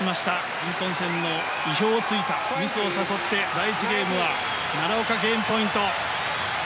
アントンセンの意表を突いてミスを誘って第１ゲームは奈良岡、ゲームポイント。